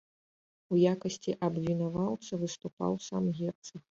У якасці абвінаваўцы выступаў сам герцаг.